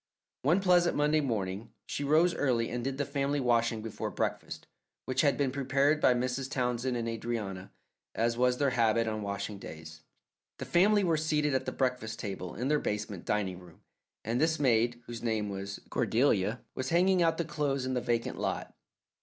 One pleasant Monday morning she rose early and did the family washing before breakfast, which had been prepared by Mrs. Townsend and Adrianna, as was their habit on washing days. The family were seated at the breakfast table in their basement dining room, and this maid, whose name was Cordelia, was hanging out the clothes in the vacant lot.